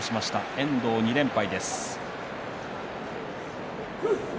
遠藤は２連敗。